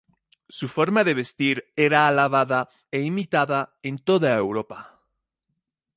Su forma de vestir era alabada e imitada en toda Europa.